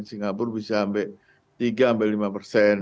singapura bisa sampai tiga lima persen